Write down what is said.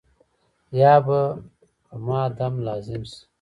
یا به په ما دم لازم شي.